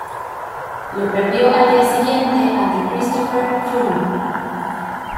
Lo perdió al día siguiente ante Christopher Froome.